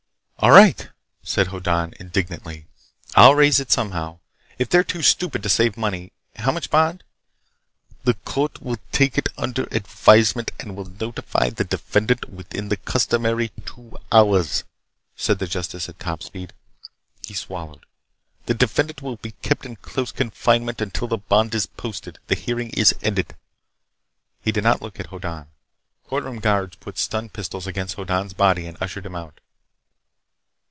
"All right," said Hoddan indignantly. "I'll raise it somehow. If they're too stupid to save money— How much bond?" "The court will take it under advisement and will notify the defendant within the customary two hours," said the justice at top speed. He swallowed. "The defendant will be kept in close confinement until the bond is posted. The hearing is ended." He did not look at Hoddan. Courtroom guards put stun pistols against Hoddan's body and ushered him out.